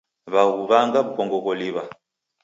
W'aghuw'anga w'ukongo gholiw'a.